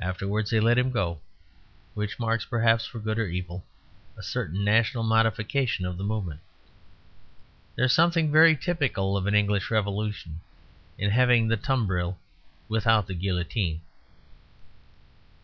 Afterwards they let him go, which marks perhaps, for good or evil, a certain national modification of the movement. There is something very typical of an English revolution in having the tumbril without the guillotine.